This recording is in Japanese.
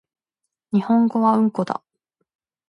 日本語はうんこだ